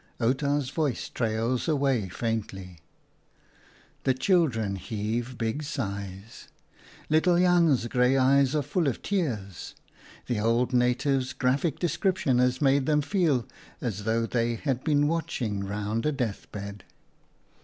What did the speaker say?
Outa's voice trails away faintly. The children heave big sighs. Little JAKHALS FED OOM LEEUW 17 Jan's grey eyes are full of tears. The old native's graphic description has made them feel as though they had been watching round a death bed.